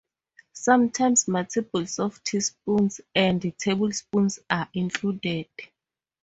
Sometimes multiples of teaspoons and tablespoons are included.